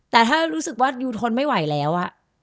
แต่ถ้ารู้สึกว่ายูทนไม่ไหวแล้ว